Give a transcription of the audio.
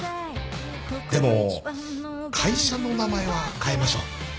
でも会社の名前は変えましょう。